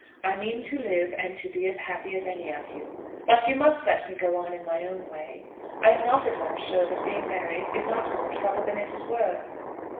I mean to live and to be as happy as any of you. But you must let me go on in my own way. I am not at all sure that being married is not more trouble than it is worth."